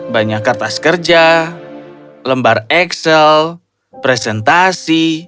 banyak kertas kerja lembar excel presentasi